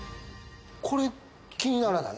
これ気にならない？